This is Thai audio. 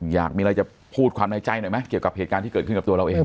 อยากมีอะไรจะพูดความในใจหน่อยไหมเกี่ยวกับเหตุการณ์ที่เกิดขึ้นกับตัวเราเอง